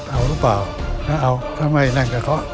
เอาหรือเปล่าถ้าเอาถ้าไม่นั่งกระเคาะ